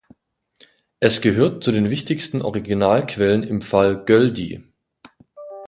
Es gehört zu den wichtigsten Originalquellen im Fall Göldi.